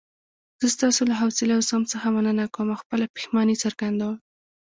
زه ستاسو له حوصلې او زغم څخه مننه کوم او خپله پښیماني څرګندوم.